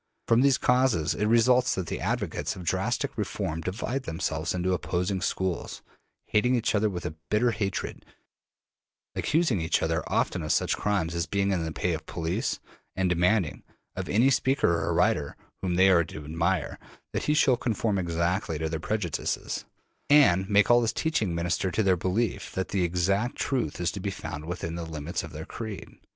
From these causes it results that the advocates of drastic reform divide themselves into opposing schools, hating each other with a bitter hatred, accusing each other often of such crimes as being in the pay of the police, and demanding, of any speaker or writer whom they are to admire, that he shall conform exactly to their prejudices, and make all his teaching minister to their belief that the exact truth is to be found within the limits of their creed.